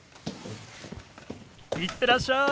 行ってらっしゃい。